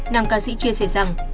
năm ca sĩ chia sẻ rằng